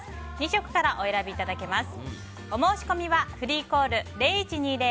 ２色からお選びいただけます。